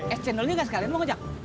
eh cendolnya nggak sekalian pak ojak